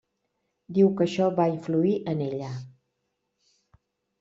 Diu que això va influir en ella.